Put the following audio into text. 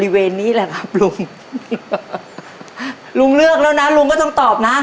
บริเวณนี้แหละครับลุงลุงเลือกแล้วนะลุงก็ต้องตอบนะ